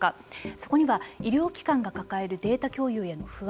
そこには医療機関が抱えるデータ共有への不安。